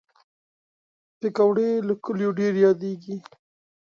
پکورې له کلیو ډېر یادېږي